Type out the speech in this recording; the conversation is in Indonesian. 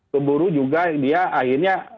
keburu juga dia akhirnya